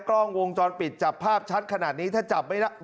กล้องวงจรปิดจับภาพชัดขนาดนี้ถ้าจับไม่ได้